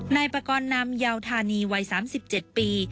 ในประกอบน้ำยาวธานีวัย๓๗ปี